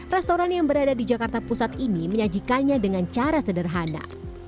restoran yang berada di jakarta pusat ini menyajikannya dengan cara sederhana